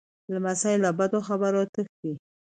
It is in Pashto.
لمسی له بدو خبرو تښتي.